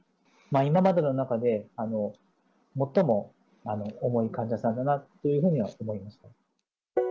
今までの中で最も重い患者さんだなというふうには思いました。